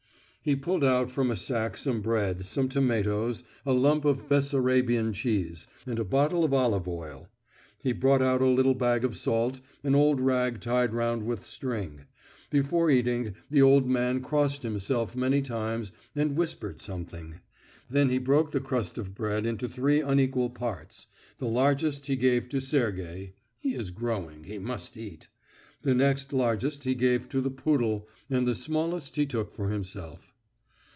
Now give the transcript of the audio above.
He pulled out from a sack some bread, some tomatoes, a lump of Bessarabian cheese, and a bottle of olive oil. He brought out a little bag of salt, an old rag tied round with string. Before eating, the old man crossed himself many times and whispered something. Then he broke the crust of bread into three unequal parts: the largest he gave to Sergey (he is growing he must eat), the next largest he gave to the poodle, and the smallest he took for himself.